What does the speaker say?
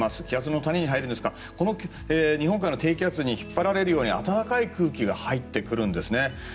気圧の谷に入りますが日本海の低気圧に引っ張られるように暖かい空気が入ってくるんですね。